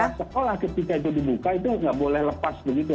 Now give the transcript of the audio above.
karena sekolah ketika itu dibuka itu nggak boleh lepas begitu